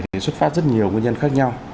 thì xuất phát rất nhiều nguyên nhân khác nhau